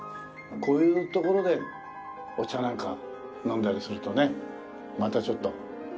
こういう所でお茶なんか飲んだりするとねまたちょっと。